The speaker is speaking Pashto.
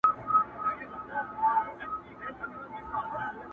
هېري له ابا څه دي لنډۍ د ملالیو!